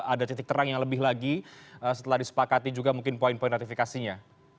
ada titik terang yang lebih lagi setelah disepakati juga mungkin poin poin ratifikasinya